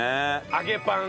揚げパン。